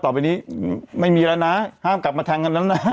ต่อไปนี้ไม่มีแล้วนะห้ามกลับมาทางกันแล้วนะ